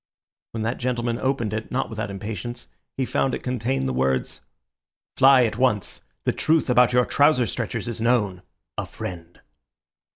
When that gentleman opened it, not without impatience, he found it contained the words:— "Fly at once. The truth about your trouser stretchers is known.—A FRIEND."